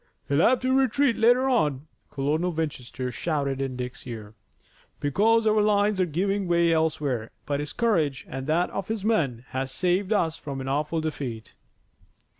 "He'll have to retreat later on," Colonel Winchester shouted in Dick's ear, "because our lines are giving way elsewhere, but his courage and that of his men has saved us from an awful defeat."